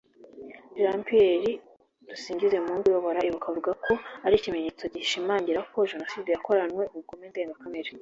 Jean Pierre Dusingizemungu uyobora Ibuka avuga ko ari ikimenyetso gishimangira ko Jenoside yakoranywe ubugome ndengakamere